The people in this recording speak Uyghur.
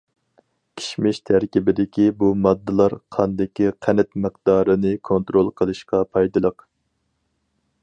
كىشمىش تەركىبىدىكى بۇ ماددىلار قاندىكى قەنت مىقدارىنى كونترول قىلىشقا پايدىلىق.